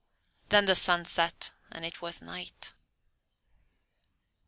Then the sun set and it was night.